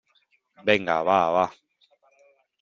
venga , va , va .